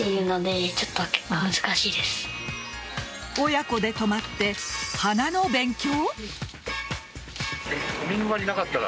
親子で泊まって花の勉強？